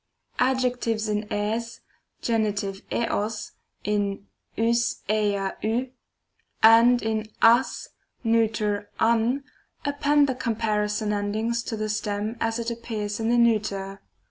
Adjectives in rig, Gen. t og, in vg uu v, and in ag, neuter av, append the comparison endings to the stem as it appears in the neuter.